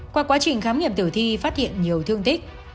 qua quá trình khám nghiệm tử thi phát hiện nhiều thương tích